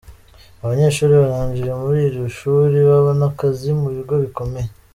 Abanyeshuri barangije muri iri shuri babona akazi mu bigo bikomeye.